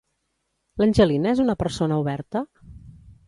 L'Angelina és una persona oberta?